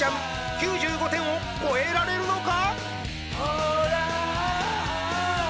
９５点を超えられるのか？